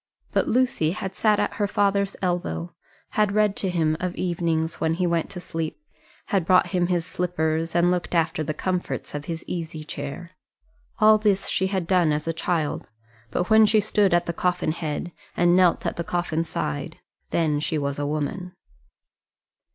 But Lucy had sat at her father's elbow, had read to him of evenings when he went to sleep, had brought him his slippers and looked after the comforts of his easy chair. All this she had done as a child; but when she stood at the coffin head, and knelt at the coffin side, then she was a woman.